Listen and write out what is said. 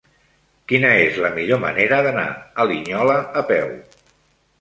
Quina és la millor manera d'anar a Linyola a peu?